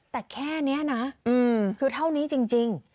แต่แค่นี้นะคือเท่านี้จริง